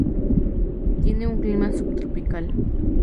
Tiene un clima subtropical.